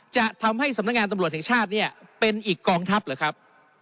จะทำให้สำนักงานตำรวจแห่งชาติเนี่ยเป็นอีกกองทัพเหรอครับ